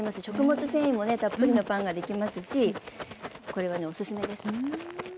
食物繊維もねたっぷりのパンができますしこれはねおすすめです。